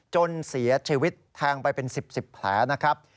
จนเสียชีวิตแทงไปเป็น๑๐๑๐แผลนะครับ